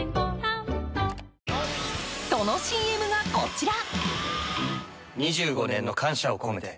そのＣＭがこちら。